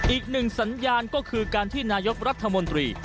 อีกหนึ่งสัญญาณก็คือการที่นายกรัฐมนตรี